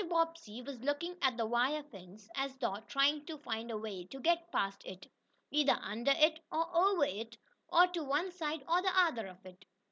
Bobbsey was looking at the wire fence, as though trying to find a way to get past it either under it, or over it, or to one side or the other of it.